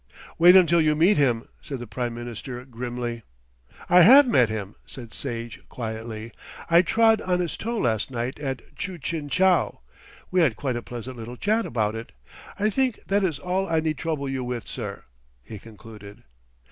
"Wait until you meet him," said the Prime Minister grimly. "I have met him," said Sage quietly. "I trod on his toe last night at 'Chu Chin Chow.' We had quite a pleasant little chat about it. I think that is all I need trouble you with, sir," he concluded.